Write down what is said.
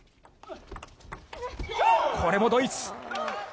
これもドイツ。